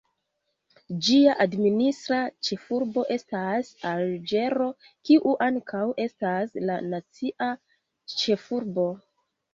Ĝia administra ĉefurbo estas Alĝero, kiu ankaŭ estas la nacia ĉefurbo.